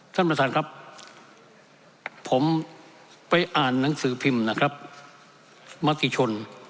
ท่านประธานครับผมไปอ่านหนังสือพิมพ์นะครับมติชน